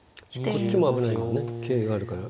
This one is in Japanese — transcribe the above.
こっちも危ないもんね桂があるから。